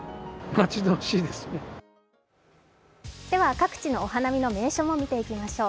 各地のお花見の名所もみていきましょう。